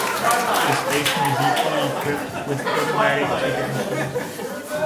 The station is equally equipped with automatic ticket machines.